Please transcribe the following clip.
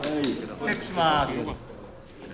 チェックします。